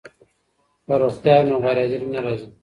که روغتیا وي نو غیرحاضري نه راځي.